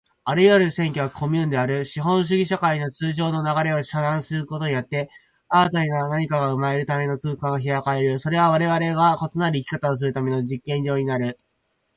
あらゆる占拠はコミューンである。資本主義社会の通常の流れを遮断することによって、新たな何かが生まれるための空間が開かれる。それはわれわれが異なる生き方をするための実験の場になる。